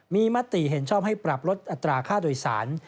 มีมติเห็นชอบให้ปรับลดอัตราค่าโดยสาร